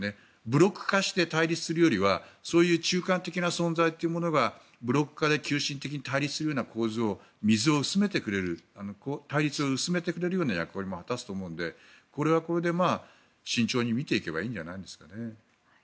ブロック化して対立していくよりはそういう中間的な存在がブロック化で急進的に対立するような構図を水を薄めてくれる対立を薄めてくれるような役割も果たしてくれると思うのでこれはこれで慎重に見ていけばいいんじゃないですかね。